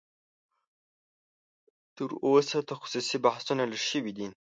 تر اوسه تخصصي بحثونه لږ شوي دي